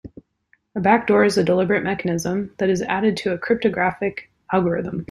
A backdoor is a deliberate mechanism that is added to a cryptographic algorithm.